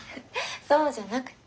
そうじゃなくて。